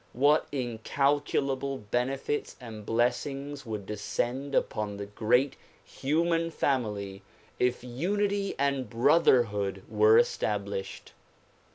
What incalculable benefits and blessings would descend upon the great human family if unity and brotherhood were established!